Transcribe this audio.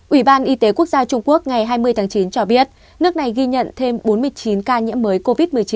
ủy ban y tế quốc gia trung quốc ngày hai mươi tháng chín cho biết nước này ghi nhận thêm bốn mươi chín ca nhiễm mới covid một mươi chín